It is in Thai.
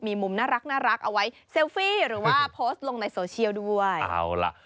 มีมุมน่ารักน่ารักเอาไว้หรือว่าโพสต์ลงในด้วยเอาล่ะ